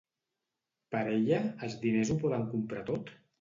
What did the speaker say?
Per ella, els diners ho poden comprar tot?